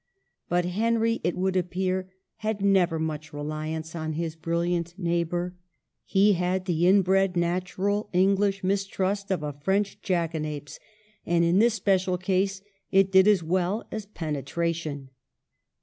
But Henry, it would appear, had never much reliance on his brilliant neighbor. He had the inbred natural English mistrust of a French jackanapes, and in this special case it did as well as penetration.